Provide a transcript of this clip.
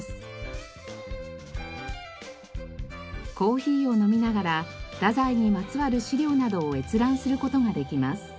コーヒーを飲みながら太宰にまつわる資料などを閲覧する事ができます。